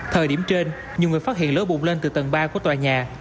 thời điểm trên nhiều người phát hiện lỡ bụt lên từ tầng ba của tòa nhà